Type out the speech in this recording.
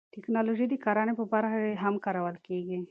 تکنالوژي د کرنې په برخه کې هم کارول کیږي.